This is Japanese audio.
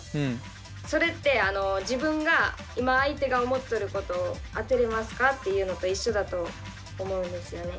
それって自分が今相手が思っとることを当てれますかっていうのと一緒だと思うんですよね。